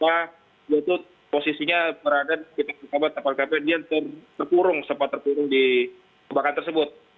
artinya posisinya berada di sekitar kapal kpn dia terpurung sempat terpurung di kebakar tersebut